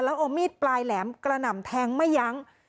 แล้วเอามีดปลายแหลมกระหน่ำแทงไม่ยั้ง